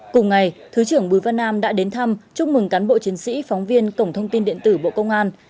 cùng ngày thứ trưởng bùi văn nam đã đến thăm chúc mừng cán bộ chiến sĩ phóng viên cổng thông tin điện tử bộ công an